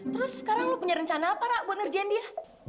terus sekarang lo punya rencana apa rak buat ngerjain dia